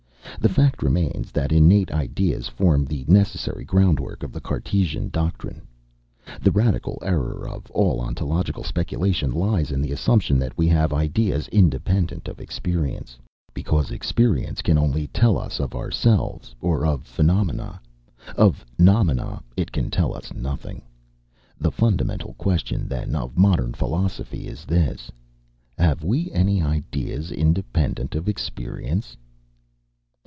The fact remains that innate ideas form the necessary groundwork of the Cartesian doctrine.... The radical error of all ontological speculation lies in the assumption that we have ideas independent of experience; because experience can only tell us of ourselves or of phenomena; of noumena it can tell us nothing.... The fundamental question, then, of modern philosophy is this Have we any ideas independent of experience?"